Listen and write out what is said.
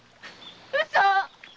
嘘！